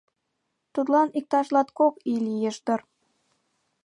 Тудлан иктаж латкок ий лиеш дыр.